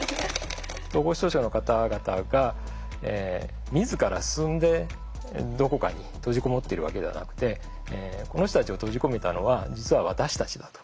統合失調症の方々が自ら進んでどこかに閉じこもってるわけではなくてこの人たちを閉じ込めたのは実は私たちだと。